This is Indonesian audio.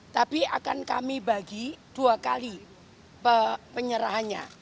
tapi akan kami bagi dua kali penyerahannya